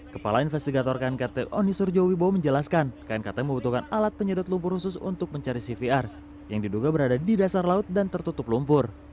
kepala investigator knkt onisurjo wibowo menjelaskan knkt membutuhkan alat penyedot lumpur khusus untuk mencari cvr yang diduga berada di dasar laut dan tertutup lumpur